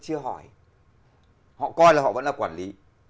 chưa hỏi họ coi là họ vẫn là quản lý